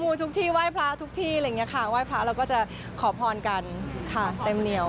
ทุกที่ไหว้พระทุกที่อะไรอย่างนี้ค่ะไหว้พระเราก็จะขอพรกันค่ะเต็มเหนียว